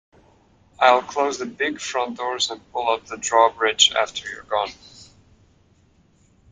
I'll close the big front doors and pull up the drawbridge after you're gone.